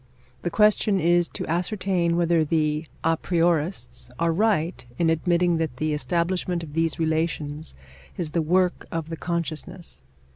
The question is to ascertain whether the a priorists are right in admitting that the establishment of these relations is the work of the consciousness.